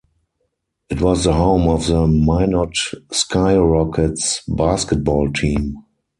It was the home of the Minot SkyRockets basketball team.